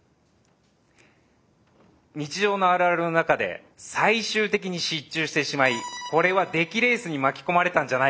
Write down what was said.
日常のあるあるの中で最終的に失注してしまいこれは出来レースに巻き込まれたんじゃないか。